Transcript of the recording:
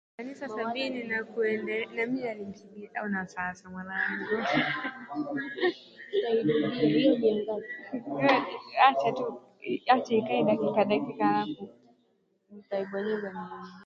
Wazee wa miaka sabini na kuendelea